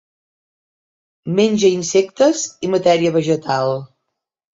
Menja insectes i matèria vegetal.